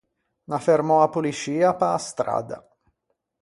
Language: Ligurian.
N’à fermou a poliscia pe-a stradda.